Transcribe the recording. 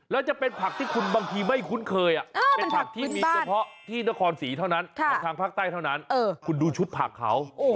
แล้วจะเป็นผักที่คุณบางทีไม่คุ้นเคยเป็นผักที่มีเฉพาะที่นครศรีเท่านั้นของทางภาคใต้เท่านั้นคุณดูชุดผักเขา